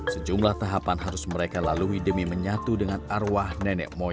sejumlah tahapan harus mereka lalui demi menyatu dengan arwah nenek moyang atau kamang triu